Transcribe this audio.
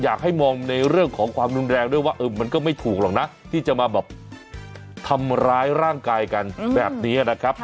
อยากให้มองในเรื่องของความรุนแรงด้วยว่ามันก็ไม่ถูกหรอกนะที่จะมาแบบทำร้ายร่างกายกันแบบนี้นะครับ